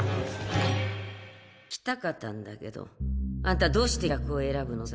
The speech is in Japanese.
聞きたかったんだけどあんたどうして客を選ぶのさ？